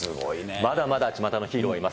まだまだちまたのヒーローがいます。